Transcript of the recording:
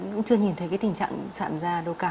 cũng chưa nhìn thấy cái tình trạng chạm da đâu cả